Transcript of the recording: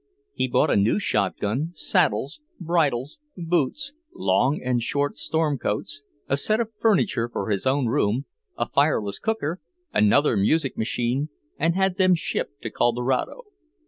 He bought a new shot gun, saddles, bridles, boots, long and short storm coats, a set of furniture for his own room, a fireless cooker, another music machine, and had them shipped to Colorado.